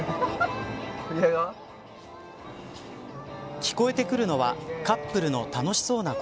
聞こえてくるのはカップルの楽しそうな声。